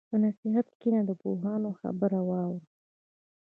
په نصیحت کښېنه، د پوهانو خبره واوره.